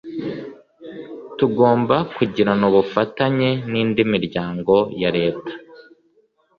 Tugomba kugirana ubufatanye n’indi miryango ya leta